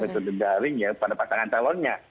metode daring ya pada pasangan calonnya